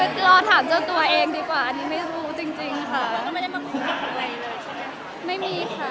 จับไปเว้งเกิดข้อมีลักษณะเจอไหม